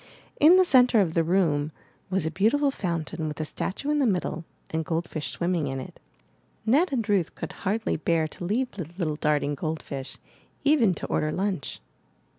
In the centre of the room was a 407 MY BOOK HOUSE beautiful fountain with a statue in the middle and gold fish swimming in it. Ned and Ruth could hardly bear to leave the little darting gold fish, even to order lunch.